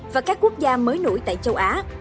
và các quốc gia mới nổi tại châu á